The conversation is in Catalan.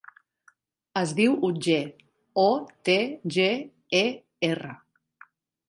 Es diu Otger: o, te, ge, e, erra.